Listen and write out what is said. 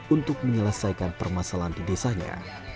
untuk menyelesaikan permasalahan di desanya